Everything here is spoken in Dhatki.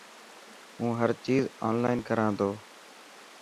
هون هر چيز اونلان ڪران تو.